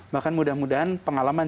bahkan mudah mudahan pengalaman